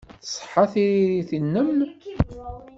Tṣeḥḥa tririt-nnem.